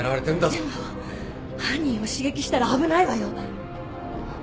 でも犯人を刺激したら危ないわよ。あっ